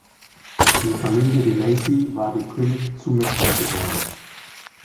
Die Familie de Lacy war dem König zu mächtig geworden.